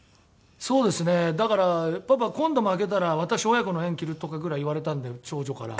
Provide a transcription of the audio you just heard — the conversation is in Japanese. そうですねだから「パパ今度負けたら私親子の縁切る」とかぐらい言われたので長女から。